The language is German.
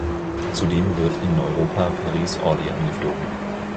Zudem wird in Europa Paris-Orly angeflogen.